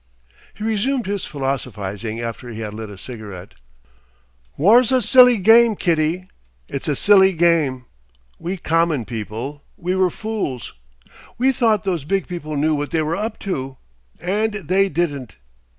He resumed his philosophising after he had lit a cigarette. "War's a silly gaim, Kitty. It's a silly gaim! We common people we were fools. We thought those big people knew what they were up to and they didn't.